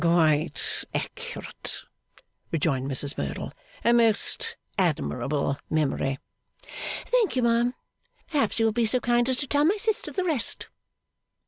'Quite accurate,' rejoined Mrs Merdle. 'A most admirable memory.' 'Thank you, ma'am. Perhaps you will be so kind as to tell my sister the rest.